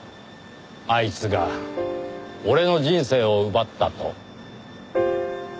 「あいつが俺の人生を奪った」と。